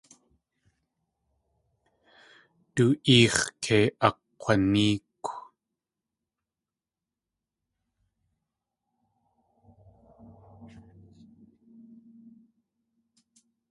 Du éex̲ kei akg̲wanéekw.